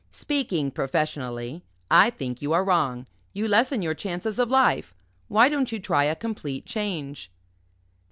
"Speaking professionally, I think you are wrong. You lessen your chances of life! Why don't you try a complete change?"